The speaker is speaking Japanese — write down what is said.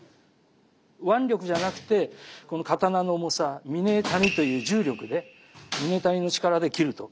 腕力じゃなくてこの刀の重さ嶺谷という重力で嶺谷の力で斬ると。